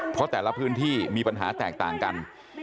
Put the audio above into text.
เพราะแต่ละพื้นที่มีปัญหาแตกต่างกัน